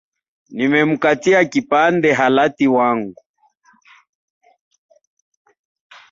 Nimemkatia kipande halati wangu